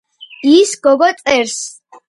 ის გოგო წერს.